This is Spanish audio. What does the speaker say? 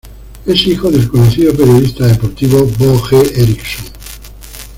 Es hijo del conocido periodista deportivo "Bo G. Eriksson".